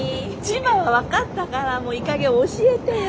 千葉は分かったからもういいかげん教えてよ。